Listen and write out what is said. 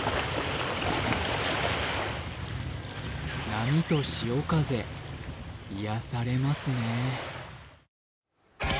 波と潮風、癒やされますね。